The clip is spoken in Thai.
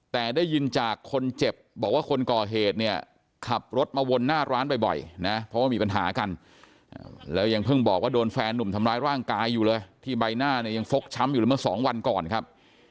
แต่ได้ยินจากคนเจ็บบอกว่าคนก่อเหตุเนี่ยขับรถมาวนหน้าร้านบ่อยนะเพราะว่ามีปัญหากันแล้วยังเพิ่งบอกว่าโดนแฟนหนุ่มทำร้ายร่างกายอยู่เลยที่ใบหน้าเนี่ยยังฟกช้ำอยู่เลยเมื่อสองวันก่อนครับ